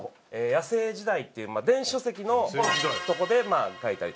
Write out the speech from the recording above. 『野性時代』っていう電子書籍のとこで書いたりとか。